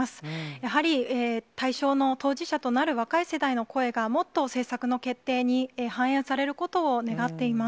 やはり対象の当事者となる若い世代の声が、もっと政策の決定に反映されることを願っています。